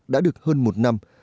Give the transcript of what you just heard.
đã được hơn một năm